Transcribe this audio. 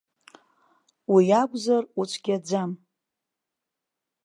Уиакәзар уцәгьаӡам.